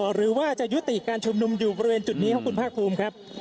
หรือว่าจะยุติการชมนุมอยู่ประเภนจุดนี้ของคุณพระอาคุมครับ